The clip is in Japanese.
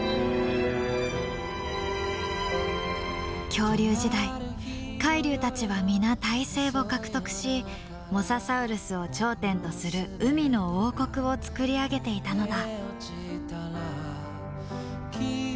恐竜時代海竜たちは皆胎生を獲得しモササウルスを頂点とする海の王国をつくり上げていたのだ。